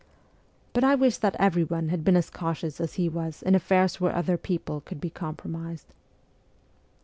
But I wish that everyone had been as cautious as he was in affairs where other people could be compromised.